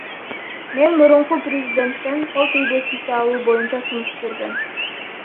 Мен мурунку президенттен кол тийбестикти алуу боюнча сунуш бергем.